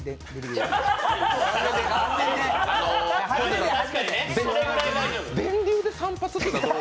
昴生さん、電流でで散髪っていうのは？